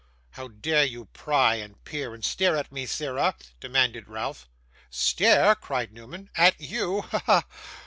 'How dare you pry, and peer, and stare at me, sirrah?' demanded Ralph. 'Stare!' cried Newman, 'at YOU! Ha, ha!